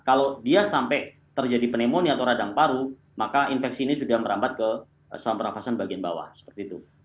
kalau dia sampai terjadi pneumonia atau radang paru maka infeksi ini sudah merambat ke saluran pernafasan bagian bawah seperti itu